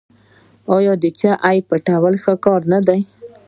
آیا د چا عیب پټول ښه کار نه دی؟